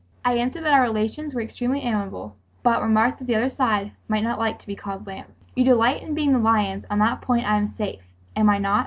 I answered that our relations were extremely amiable, but remarked that the other side might not like to be called "lambs." "You delight in being the lions on that point I am safe, am I not?"